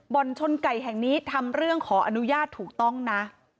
ชนไก่แห่งนี้ทำเรื่องขออนุญาตถูกต้องนะ